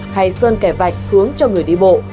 hay sơn kẻ vạch hướng cho người đi bộ